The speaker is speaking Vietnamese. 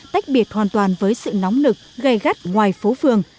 tách biệt hoàn toàn với sự nóng lực gây gắt ngoài phố phường